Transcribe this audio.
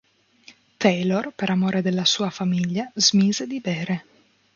Taylor, per amore della sua famiglia, smise di bere.